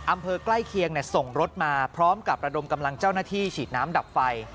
อำเภอใกล้เคียงส่งรถมาพร้อมกับระดมกำลังเจ้าหน้าที่ฉีดน้ำดับไฟ